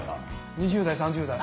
２０代３０代。